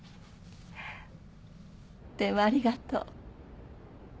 電話ありがとう。